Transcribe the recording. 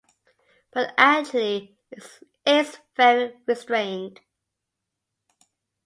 But actually it's very restrained.